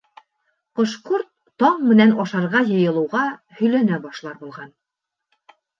Ҡош-ҡорт таң менән ашарға йыйылыуға һөйләнә башлар булған: